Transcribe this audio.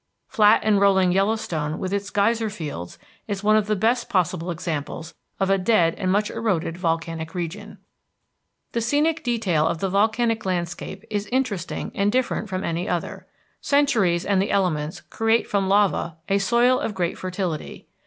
Flat and rolling Yellowstone with its geyser fields, is one of the best possible examples of a dead and much eroded volcanic region. The scenic detail of the volcanic landscape is interesting and different from any other. Centuries and the elements create from lava a soil of great fertility.